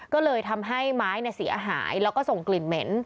ก็เลยทำให้ไม้เสียหายแล้วก็ส่งกลิ่นเหม็น